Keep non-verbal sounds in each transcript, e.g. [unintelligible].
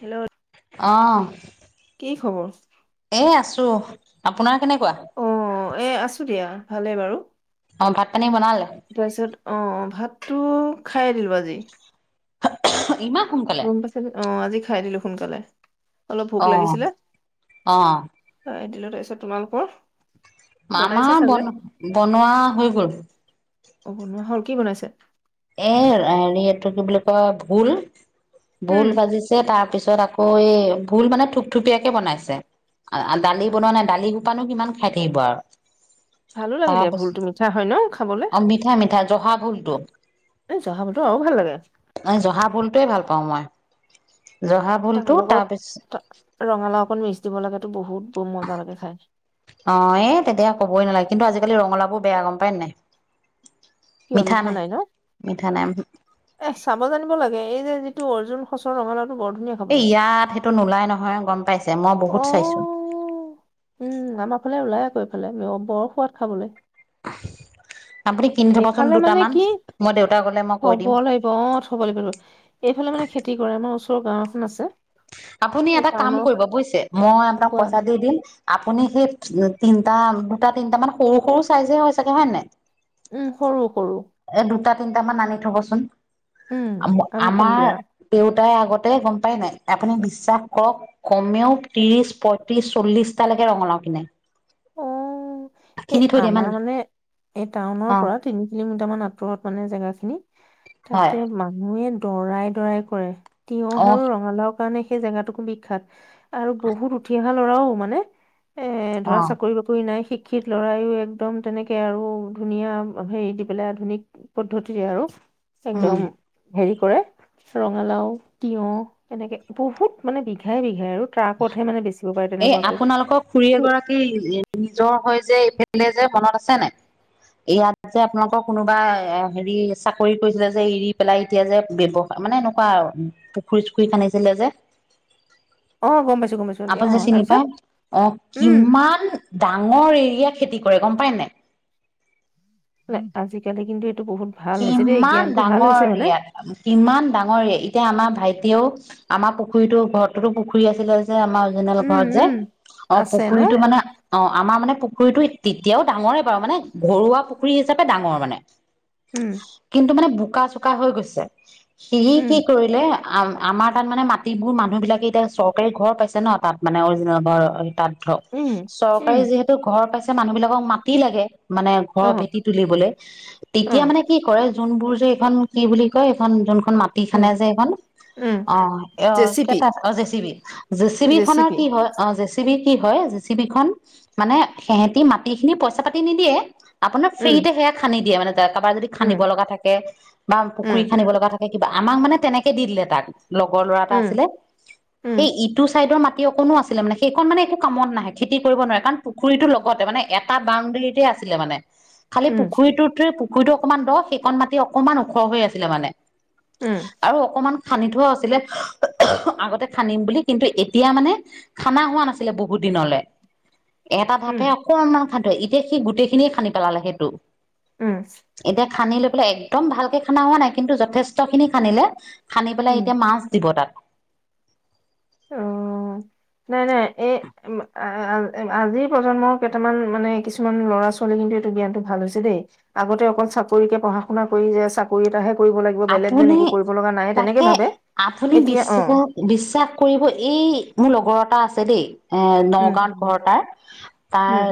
Hello অঁ কি খবৰ এ আছো আপোনাৰ কেনেকুৱা অ', এ আছো দিয়া ভালে বাৰু। অ', ভাত পানী বনালে? তাৰপিছত আহ ভাত তো খাই দিলো আজি ইমা গম পাইছে অ আজি খাই দিলো সোনকালে অলপ ভোক অ', লাগিছিলে, অ', তাৰপিছত তোমালোকৰ বনাইছে আমাৰ চাগে বন বনোৱা হৈ গল। অ', বনোৱা হ'ল কি বনাইছে? এ কি বুলি কোৱা ভুল উম ভোল বাজিছে তাৰ পিছত তাৰ পিছত আকৌ এই ভুল মানে থুপথুপিয়াকে বনাইছে দালি বনোৱা নাই দালি পানো কিমান খাই থাকিব আৰু ভালো লাগে দিয়া ভুলটো তাৰপাছত মিঠা হয় ন খাবলে আৰু মিঠা মিঠা জহা ভুল দ এই জহাবতৰ আৰু ভাল লাগে সমময় তাৰ লগত ৰঙালাও অকণ মিচ দিব লাগে তো বহুত বহুত মজা লাগে চাই অ এ তেতিয়া ক'বই নালাগে কিন্তু আজিকালি ৰঙালাওবোৰ বেয়া গম পায় নে নাই? কিয় মিঠা নাই ন। মিঠা নাই এ চাব জানিব লাগে এই যে যিটো অৰ্জুন সচৰ ৰঙালা- এ ইয়াত সেইটো নোলাই নহয় গম পাইছ ছে মই বহুত চাইছো। অ', কৈ পেলাই বৰ সোৱাদ খাবলৈ। আপুনি কিনি থবচোন এইফালে মানে দুটামান কি, মই দেউতা গলে মই কৈ থব দিম লাগিব অ থব লাগিব [unintelligible] এইফালে মানে খেতি কৰে। আমাৰ ওচ চ গাঁও এখন আছে। আপুনি এই এটা কাম টাউনৰ কৰিব বুজিছে মই আপোনাক পৰা পইচা দি দিম। আপুনি সেই তিনিটা দুটা তিনটা মান সৰু সৰু চাইজে হয় চাগে হয় নাই? উম সৰু। সৰু এ দুটাত তিনিট মান আনি থবচোন। উম, আমবা আনি থম আমাৰ দিয়া তেওঁত টাই আগতে গম পাই নাই আপুনি বিশ্বাস কৰক কমেও ত্ৰিশ পয়ত্ৰিশ চল্লিশটালৈকে ৰঙালাও কিনে। অ', এই কিনি থৈ দিয়ে ইমান আমাৰ মানে এই টাউনৰ অ পৰা তিনি কিলোমিটাৰ মান দুৰত মানে জেগাখিনি হয় তাতে মানুহে দৰাই দৰাই কৰে। তিয়হ অ আৰু ৰঙালাওক কাৰণে সেই জেগাতোকো বিখ্যাত আৰু বহুত উঠি অহা ল'ৰাও মানে এ অ ধৰা চাকৰি বাকৰি নাই শিক্ষিত লৰাইও একদম তেনেকে আৰু ধুনীয়া হেৰি দি পেলাই আধুনিক পদ্ধতিৰে আৰু উম একদম হেৰি কৰে ৰঙালাও তিয়হ এনেকে বহুত মানে বিঘাই বিঘাই আৰু ট্ৰাকতহে মানে বেচিব পাৰে এই তেনেকুৱাকৈ আপোনালোকক খুৰী এই এগৰাকী নিজৰ হৈ যে এইফালে যে মনত আছে নাই ইয়াত, যে আপোনালোকৰ কোনোবা হেৰি চাকৰি কৰিছিলে যে এৰি পেলাই এতিয়া যে ব্যৱসায় মানে এনেকুৱা আৰু পুখুৰী চুখুৰী খান্দিছিলে যে অ গম পাইছো গম পাইছো আপুনি অ যে চিনি তাৰপিছত পায় অ উম কিমান ডাঙৰ এৰিয়া খেতি কৰে গম পায় নাই আজিকালি কিন্তু বহুত ভাল হৈছে দেই কিমান জ্ঞানটো ভাল ডাঙৰ হৈছে মানে এৰিয়াত কিমান ডাঙৰ এৰিয়াত আমাৰ ভাইটিয়েও আমাৰ পুখুৰীতো ঘৰৰতো পুখুৰী আছিলে আমাৰ অৰজিনেল উম, ঘৰত যে উম, অ আছে ন? পুখুৰীটো মানে অ আমাৰ মানে পু পুখুৰীটো তেতিয়াও ডাঙৰে বাৰু মানে ঘৰুৱা পুখুৰী হিচাপে ডাঙৰ মানে উম, কিন্তু মানে বোকা চোক কা হৈ গৈছে সিৰি উম, কি কৰিলে আম আমাৰ তাত মানে মাটিবোৰ মানুহ বিলাকে এতিয়া চৰকাৰী ঘৰ পাইছে ন তাত মানে অৰিজিনেল ঘৰৰ তাত উম, উম, চৰকাৰি যিহেতু ঘৰৰ পাইছে। এতিয়া মানুহ বিলাকক মাটি লাগে। মানে ঘৰৰ অ', ভেটি তুলিবলৈ তে তেতিয়া অ', মানে কি কৰে যোনবোৰ যে এইখন কি বুলি কয় এইখন যোন এ মাটি খান্দে অ', যে এইখন উম, অ' অ' জেচিপি, কেইটা অ' জেচ বি, জেচ বি খনৰ জেচিপি, কি হয় অ' জেচ বি কি হয় জেচি বি খন মানে সিহঁতে মাটি খিনি পইচা পাতি নিদিয়ে। আপোনাক উম, ফ্ৰীতে সেয়া খান্দি দিয়ে মানে। কাৰোবাৰ যদি উম, খান্দিব লগা থাকে বা পুখুৰী উম, খান্দিব লগা থাকে কিবা আমাক মানে তেনেকে দি দিলে তাক লগৰ ল'ৰা এটা উম, আছিলে। উম, সেই ইটো চাইডৰ মাটি মাটি অকণো আছিলে, মানে সেইখন মানে একো কামত নাহে খেতি কৰিব নোৱাৰে কাৰণ পুখুৰীটোৰ লগতে মানে এটা বাউণ্ডেৰীতে আছিলে মানে খালি উম, পুখুৰীটোতে পু খুইটো অকণমান দ সেইকণ মাতি অকণমান ওখৰ হৈ আছিলে মানে! উম, আৰু অকমান খান্দি থোৱা আছিলে আগতে খান্দিম বুলি কিন্তু এতিয়া মানে খানা হোৱা নাছিলে বহুত দিনলে এটা উম, ভাপে অকনমান খান এতিয়া সি গোটেই খিনিয়ে খানদি পেলালে সেইটো। ও'ম এতিয়া খান্দি লৈ পেলাই একদম ভালকে খানা হোৱা নাই কিন্তু যথেষ্ট খিনি খানিলে খান্দি পেলাই উম, এতিয়া মাছ দিব তাত। অ নাই নাই এই আজিৰ প্ৰজন্মৰ কেইটামান মানে কিছুমান ল'ৰা ছোৱালী কিন্তু এইটো জ্ঞানটো ভাল হৈছে দেই আগতে অকল চাকৰিকে পঢ়া শুনা কৰি যে চাকৰি এটাহে কৰিব লাগিব বেলেগ যেন আপুনি একো কৰিব লগা নাই তেনেকে তাকে ভাবে। আপুনি এতিয়া অ', বিশ্বাসাস বিশ্বাস কৰিব এই মোৰ লগৰ এটা আছে দেই এ উম, নগাঁউত ঘৰ তাৰ তাৰ উম,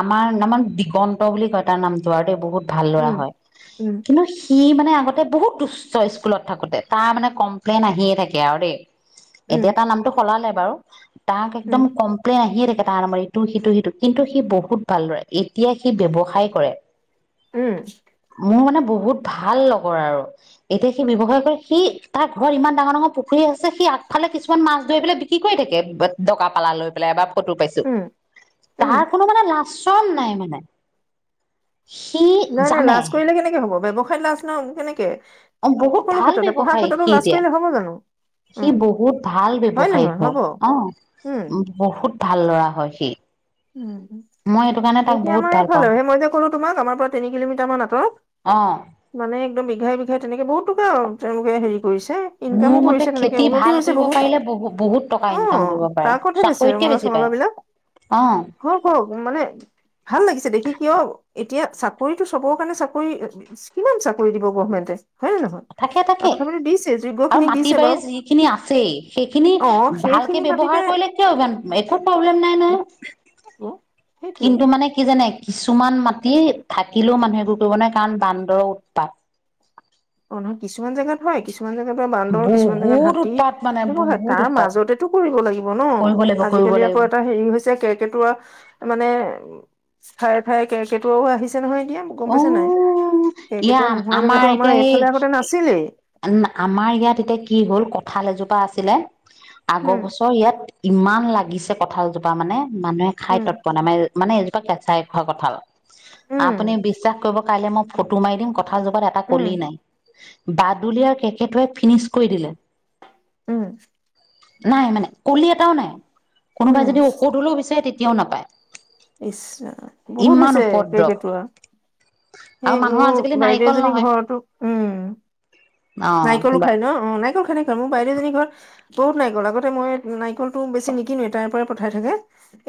আমাৰ তাৰ দিগন্ত বুলি কয় তাৰ নাম টো আৰু দেই বহুত ভাল ল'ৰা উম। হয় উম, কিন্তু সি মানে মানে আগতে বহুত তুস্থ স্কুলত থাকোতে তাৰ মানে কমপ্লেইন আহিয়ে থাকে আৰু দেই এতিয়া উম, তাৰ নামটো সলালে বাৰু তাক উম, একদম কম্প্লেন আহি টা নামৰ ইটো সিটো সিটো কিন্তু সি বহুত ভালদৰে এতিয়া সি ব্যৱসায় কৰে উম মোৰ মানে বহুত ভাল লগৰ আৰু এতিয়া সি ব্যৱসায় কৰে সি তাৰ ঘৰত ইমান ডাঙৰ ডাঙৰ পুখুৰী আছে সি আগফালে কিছুমান মাছ ধৰি পেলাই বিক্ৰী কৰি থাকে ডকা পালা লৈ পেলাই বা ফটো পাইছোঁ উম, উম, তাৰ কোনো মানে লাজ চন নাই মানে সি নাই নাই জানে লাজ কৰিলে কেনেকে হব ব্যৱসায়ত লাজ ন কেনেকে অ বহুত সকলো ভাল ক্ষেত্ৰতে পঢ়া ব্যৱসায়িক ক্ষেত্ৰতো সি লাজ এতিয়া কৰিলে হ'ব জানো? সি উম, বহুত ভাল ব্যৱসায়িক নহয় হয় হ'ব অ উম, বহুত ভাল ল'ৰা হয় সি উ মই সেইটো কাৰণে তাক এতিয়া বহুত আমাৰ ভাল পাওঁ এইফালেহে মই যে ক'লো তোমাক আমাৰ পৰা তিনি কিলোমিটাৰ মান অ আঁতৰত মানে একদম বিঘাই বিঘাই তেনেকে বহুত যেনেকে হেৰি কৰিছে ইনকামো মোৰ মতে কৰিছে তেনেকে খেতি উন্নতি ভাল হৈছে কৰিব বহুত পাৰিলে বহু বহুত টকা অ, ইনকাম কৰিব পাৰে ট্ৰাকতহে বেচে চাকৰিতকে ৰঙালাও বেছি চঙালাও বিলাক। পায় অ হওক হওক মানে ভাল লাগিছে দেখি কিয় এতিয়া চাকৰিতটো চবৰ কাৰণে চাকৰি কিমান চাকৰি দিব গভমেণ্টে থাকে থাকে যোগ্য আৰু খিনিক মাটি দিছে বাৰী বাৰু যিখিনি আছে সেইখিনি অ ভালকে সেইখিনি ভাবিতে ব্যৱহাৰ কৰিলে কিয় ই একো প্ৰব্লেম নাই নহয় [inaudible] কিন্তু মানে কি জানে কিছুমান মাটি থাকিলেও মানুহেবোৰ কৰিব নোৱাৰে কাৰণ বান্দৰৰ উৎপাত অ নহয় কিছুমান জেগাত হয় কিছুমান কিছুমান জেগাত বান্দৰ কিছুমান জেগাত বহুত হাতী উৎপাত মানে হেনেকুৱা বহুত তাৰ উৎপাত মাজতেটো কৰিব লাগিব ন কৰিব লাগিব কৰিব আজিকালি আকৌ লাগিব এটা হেৰি হৈছে কেৰ্কেটুৱাই মানে ঠায়ে ঠায়ে কেৰ্কেটুৱাও আহিছে নহয় এতিয়া গম অ পাইছে নাই কেৰ্কেটুৱা নোহোৱা জেগাতো আমাৰ উ এইফালে আগতে নাছিলেই আমাৰ ইয়াত এতিয়া কি হ'ল ভাল এজোপা আছিলে আগৰ উম বছৰ ইয়াত ইমান লাগে লাগিছে কঁঠালজোপা মানে মানুহে খাই উম তৎপোৱা নাই মানে কেঁচাইখোৱা কথাাল উম আপুনি বিশ্বাস কৰিব কাইলৈ মই ফটো মাৰি দিম ক কথা যগাত এটা উম, কলি নাই বাদুলিয়াৰ কেকেটোৱে ফিনিছ কৰি দিলে উম নাই মানে কলি এটাও নাই কোনোবাই যদি ঔষধ হলেও বিচাৰে তেতিয়া কোনেও নাপায় ইচ্ছা বহুত ইমান হৈছে কেই উপদ্ৰৱ কেইটা সেই আৰু মানুহৰ মোৰ আজিকালি বাইদেউ নাৰিকল এজনী নহয় ঘৰতো উম নাৰিকলো অ বা খায় ন অ নাৰিকল খেনেকুৱ মোৰ বাইদেউজনীৰ ঘৰত বহুত নাৰিকল আগতে মই নাৰিকলতটো বেছি নিকিনোৱেই তাইৰ পৰাই পঠাই থাকে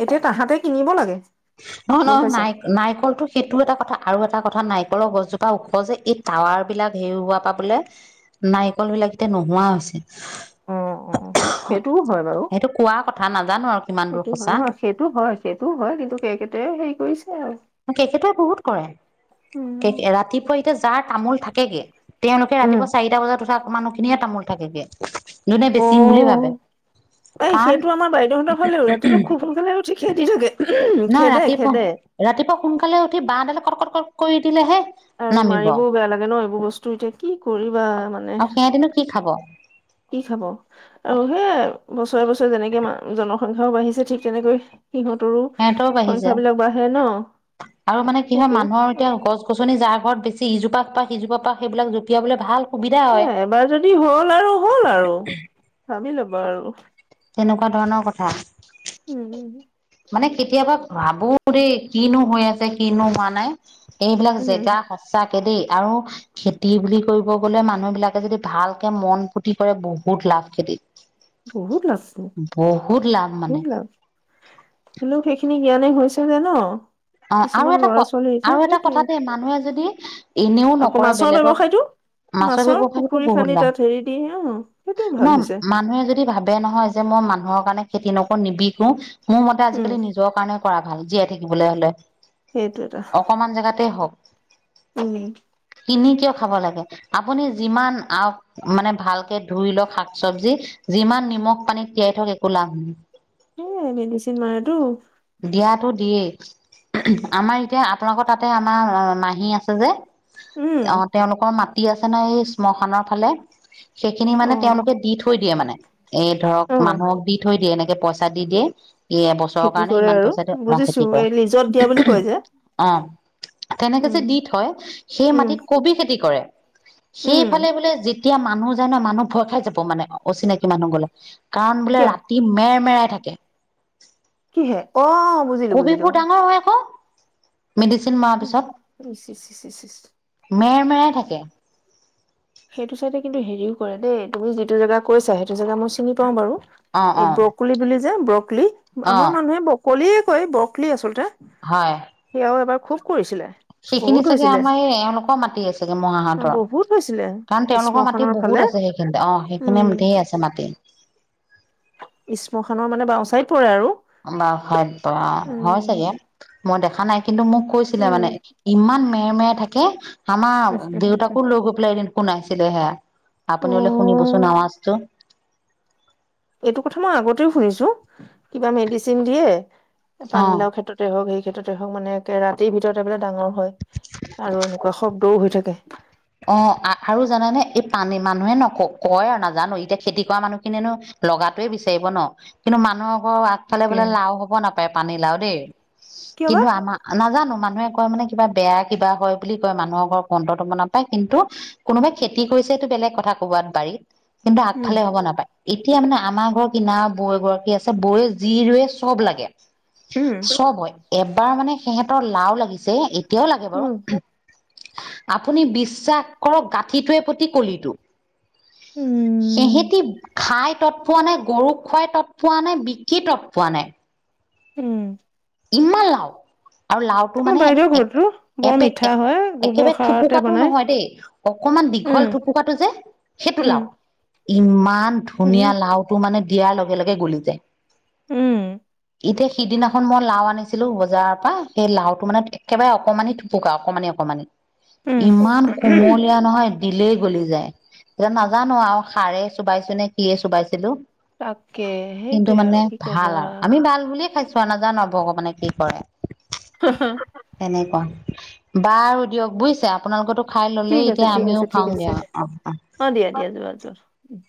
এতিয়া তাহাঁতে কিনিব লাগে নহয় গম নহয় পাইছা ন নাৰিকলটো সেইটো এটা কথা আৰু এটা এটা কথা নাৰিকলৰ গছজোপা ওখ যে এই টাৱাৰ বিলাক হেৰুওৱা পৰা বোলে নাৰিকল বিলাক এতিয়া নোহোৱা হৈছে অ অ সেইটোও হয় বাৰু সেইটো কোৱা কথা নাজানো আৰু কিমান দূৰ সেইটো হয় সঁচা নহয় সেইটো হয় সেইটোও হয় কিন্তু দে হেৰি কৰিছে আৰু কেকে [unintelligible] তোৱে বহুত কৰে উম। ৰাতিপুৱাই এয়া যাৰ তামোল থাকেগে তেওঁলোকে উম, ৰাতিপোৱা চাৰিটা বজাত উঠা মানুহ খিনিয়ে তামোল থাকেগে যোনে অ বেচিম বুলি ভাবে এই কাৰণ সেইটো আমাৰ বাইদেউহঁতৰ ফালেও ৰাতিপুৱা খুব সোনকালে উঠি খেদি থাগে নহ খেদে ৰাতিপুৱা খেদে ৰাতিপুৱা সোনকালে উঠি বাহডাল কট কট কক কৰি দিলে হে [unintelligible] আৰু মাৰিবও বেয়া লাগে ন এইবোৰ বস্তু এতিয়া কি কৰিবা মানে আৰু সিহঁতিনো কি খাব কি খাব আৰু সেই বছৰে বছৰে যেনেকে জনসংখ্যাও বাঢ়িছে ঠিক তেনেকৈ সিহঁতৰো সিহঁতও বাঢ়ি যায় সংখ্যাবিলাক বাঢ়ে আৰু ন মানে কি হয় সেইটোৱে মানুহৰ এতিয়া গছ গছনি যাৰ ঘৰত বেছি ইজোপা প বা সিজোপা পা সেইবিল জপিয়াবলৈ ভাল সুবিধা হয় এ এবাৰ যদি হল আৰু হ'ল আৰু ভাবি ল'ব বাৰু তেনেকুৱা ধৰণৰ কথা উম উম মানে কেতিয়াবা ভাবো দেই কিনো হৈ আছে কিনো হোৱা নাই এইবিলাক উম জেগা সঁচাক। তাকে দেই আৰু খেতি বুলি কৰিব গলে মানুহ বিলাকে যদি ভালকে মন পুতি কৰে বহুত লাভ খেতিত। বহুত লাভ বহুত লাভ মানে। তোলোক সেইখিনি জ্ঞানে গৈছ যে ন। অহ ', আৰু কিছুমান এটা ল'ৰা ক ছোৱালী এতিয়া আৰু এটা সেইটোৱে কথা দে মানুহে যদি এনেও আকৌ নকৰে মাছৰ বেলেগক ব্যৱসায়টো মাছৰ ব্যৱসায়টো পুখুৰী বহুত খান্দি লাভ। তাত হেৰি দি অ সেইটোও ভাল ন হৈছে মানুহে যদি ভাবে নহয় যে মই মানুহৰ কাৰণে খেতি নকৌ নিবিকো। মোৰ মতে উম আজিকালি নিজৰ কাৰণে। কৰা ভাল জীয়াই থাকিবলৈ হলে। সেইটো এটা অকমান জেগাতে হওক। উম', কিনি কিয় খাব লাগে আপুনি যিমান মানে ভালকে ধুই লওক শাক চবজি যিমান নিমখ পানীত তিয়াই থওক একো লাভ নাই। এ মেডিচিন মাৰেটো। দিয়াতো দিয়েই আমাৰ এতিয়া আপোনালোকৰ তাতে আমাৰ মাহী আছে যে। উম অহ ', তেওঁলোকৰ মাত তি আছে ন এই শ্মশানৰ ফালে। সেইখিনি অ মানে তেওঁলোকে দি থৈ দিয়ে মানে এই ধৰক অ মানুহক দি থৈ দিয়ে এনেকে। পইচা দি দিয়ে এ। খেতি কৰে আৰু বুজিছো এই লিজত দিয়া বুলি কয় যে। অ তেনেকে যে উম দি থয় সেই উম মাটিত কবি খেতি কৰে উম সেইফালে বোলে। এতিয়া মানুহ যায় নহয় মানুহ ভয় খাই যাব মানে অচিনাকি মানুহ গলে। কাৰণ বোলে কিয় ৰাতি মেৰ মেৰাই থাকে। কিহে? অ বুজিলো কবি পোৰ ডাঙৰ হয় ক উম ', ইচ - ইচ - ইচ মেৰ মেৰাই থাকে। সেইটো চাইড কিন্তু হেৰিও কৰে দেই তুমি যিটো জেগা কৈছা সেইটো জেগা মই চিনি পাওঁ বাৰু। অ এই অ ব্ৰকলুলি বুলি। ব্ৰ ক্লি অ আমাৰ মানুহে ব কলিয়ে কয় বৰকললি আচলতে হয়। খোব কৰিছিলে সেইখিনি বহুত চাগে হৈছিলে আমাৰ এই এওঁলোকৰ মাতি আ চাগে মাহঁতৰ বহুত হৈছিলে কাৰণ তেওঁলোকৰ মাটি শ্মশানৰ ফালে বহুত আছে সেইখিনিতে অ সেইখিনি ঢে আছে মাটি ইস্ম খানৰ মানে বাওঁচাইত পৰে আৰু বা খাই ব হয় উম চাগে মই দেখা নাই কিন্তু মোক কৈছিলে মানে ইমান মেৰমেৰে থাকে। হামা দেউতাক কো লগ পেলাই শুনাইছিলে হেয়া। আপুনি বোলে শুনিবচোন অ' আৱাজটো। এইটো কথা মই আগতেও শুনিছো কিবা মেডিচিন দিয়ে অ পানীাও ক্ষেত্ৰতে হওক স তেেততে হওক মানে ৰাতিৰ ভিতৰততে বোলে ডাঙৰ হয় আৰু এনেকুৱা শব্দও হৈ থাকে অ আৰু জানোনে এই পানী মানুহে নক কয় আৰু নাজানো এতিয়া খেতি কৰা মানুহ খিনিয়নো লগাতোৱে বিচাৰিব ন কিন্তু মানুহক আগফালে তাকে বোলে লাও হব নাপাৰে পানী লাও ত কিয় বা কিন্তু আমা নাজানো মান মানুহে কয় মানে কিবা বেয়া কিবা হয় বুলি কয় মানুহৰ ঘৰত অন্তটো মন প কিন্তু কোনোবাই খেতি কৰিছেটো বেলেগ কথা ক'বাত বাৰীত কিন্তু উম আগফালে হ'ব নাপায় এতিয়া মানে আমাৰ ঘৰৰ কিনা বৈ গৰাকী আছে বৈে যি ৰুৱে চব লাগে। উম চবই এবাৰ মানে সিহঁতৰ লাও লাগিছে কিয়ও লাগে বাৰু উম আপুনি বি বিশ্বাস কৰক গাঁঠিটোৱে প্ৰতি কলিটো উম সহেতি খাই তৎ পোৱা নাই গৰুক খোৱাই তৎপোৱা নাই বিকি তৎ পোৱা নাই উম ইমানা লাও আৰু লাওটো আমাৰ মানে বাইদেউৰ ঘৰটো বৰ মিঠা হয় গোবৰ একেবাৰে সাৰতে থোপকাটো বনাই নহয় দেই অকমান উম দীঘল থোপুকাটো যে সেইটো উম লাও ইমান উম ধুনীয়া লাওটো মানে দিয়াৰ লগে লগে গলি যায় উম' ইতিয়া সিদিনাখন মই লাও আনিছিলো বজাৰৰ পৰা সেই লাওটো মানে একেবাৰে অকমানি থুপুকা অকমানি-অকমানি উম ইমান কুমলীয়া নহয় দিলেই গলি যায় তেতিয়া নাজানো আৰু সাৰে চুবাইছো নে কিয়ে চোবাইছিলো তাকে সেইটোৱে আৰু কি কবা খাই চোৱা নাজানব ভগৱানে কি কৰে। [unintelligible] তেনেকুৱা বাৰু দিয়ক বুইছে আপোনালোকো ঠিক আছে ঠিক আছে ঠিক আছে অ' দিয়া দিয়া যোৱা যোৱা উম।